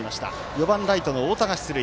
４番ライトの太田が出塁。